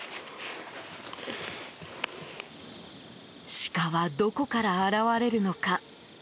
シカはどこから現れるのか。